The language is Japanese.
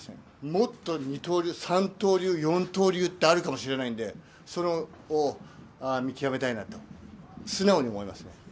もっと二刀流、三刀流、四刀流ってあるかもしれないので、それ見極めたいなと素直に思いますね。